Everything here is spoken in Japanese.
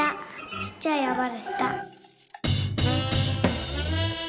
ちっちゃいやまでした」。